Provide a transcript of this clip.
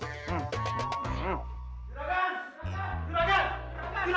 juragan ibu juragan pingsan